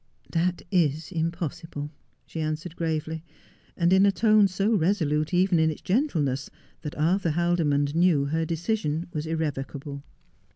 ' That is impossible,' she answered gravely, and in a tone so resolute even in its gentleness that Arthur Haldimond knew her decision was irrevocable.